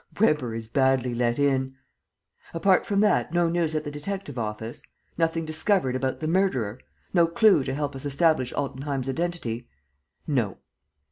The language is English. "Weber is badly let in." "Apart from that, no news at the detective office? Nothing discovered about the murderer? No clue to help us to establish Altenheim's identity?" "No."